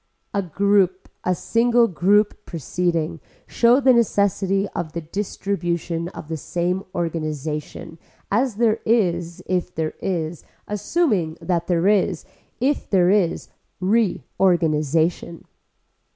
A group a single group proceeding show the necessity of the distribution of the same organization as there is if there is, assuming that there is, if there is reorganization.